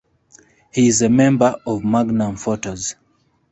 He is a member of Magnum Photos.